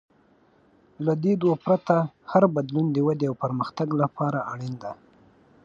له دې دوو پرته، هر بدلون د ودې او پرمختګ لپاره اړین دی.